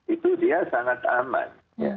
itu dia sangat aman